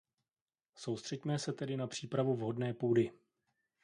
Soustřeďme se tedy na přípravu vhodné půdy.